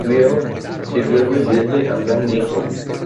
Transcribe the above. Sirvió al presidente Abraham Lincoln.